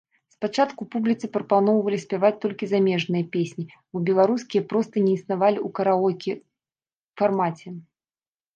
Спачатку публіцы прапаноўвалі спяваць толькі замежныя песні, бо беларускіх проста не існавала ў караоке-фармаце.